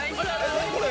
◆何これ？